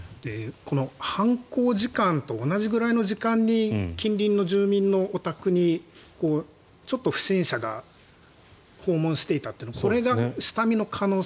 犯行時間と同じくらいの時間に近隣住民のお宅にちょっと不審者が訪問していたというのがこれが下見の可能性